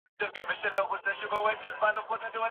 ښوونځي ماشومانو ته د لوست خوښي ورښيي.